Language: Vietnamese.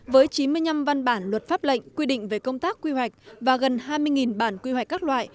với chín mươi năm văn bản luật pháp lệnh quy định về công tác quy hoạch và gần hai mươi bản quy hoạch các loại